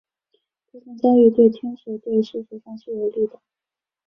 这项交易对天使队事实上是有利的。